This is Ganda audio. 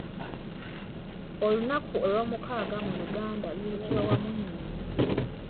Olunaku olw'omukaaga mu luganda luyitibwa Wamunyeenye.